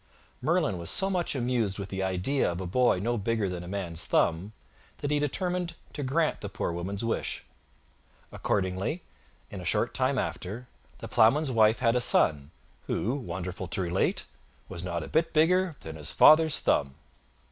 Merlin was so much amused with the idea of a boy no bigger than a man's thumb that he determined to grant the Poor Woman's wish. Accordingly, in a short time after, the Ploughman's wife had a son, who, wonderful to relate! was not a bit bigger than his father's thumb.